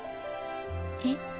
えっ。